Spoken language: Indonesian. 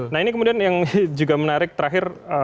nah ini kemudian yang juga menarik terakhir